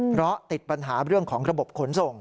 เพราะติดปัญหาเรื่องของระบบขนส่ง